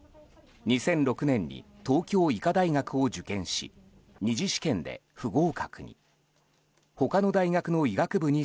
２００６年に東京医科大学を受験し２次試験で不合格に。